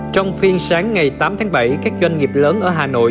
trong phiên sáng ngày tám tháng bảy các doanh nghiệp lớn ở hà nội